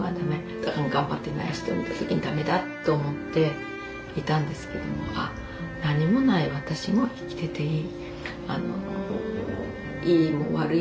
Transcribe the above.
だから頑張ってない人を見た時にだめだと思っていたんですけども何もない私も生きてていい。